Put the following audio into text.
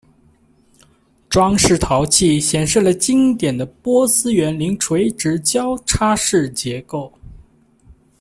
装饰陶器显示了经典的波斯园林垂直交叉式结构。